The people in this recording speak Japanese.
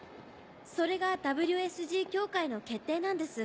それがＷＳＧ協会の決定なんです。